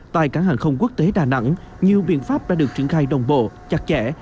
tại cảng hàng không quốc tế đà nẵng nhiều biện pháp đã được triển khai đồng bộ chặt chẽ